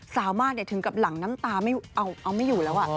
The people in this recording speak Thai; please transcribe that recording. สามารถถึงกับหลังน้ำตาไม่เอาไม่อยู่แล้ว